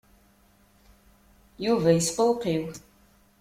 Yuba yesqewqiw.